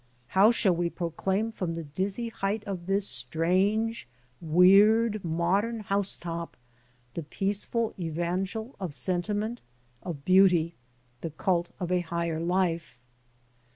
How shall we proclaim from the dizzy height of this strange, weird, modern housetop the peaceful evangel of sentiment, of beauty, the cult of a higher life?